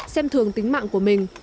xem thường tính mạng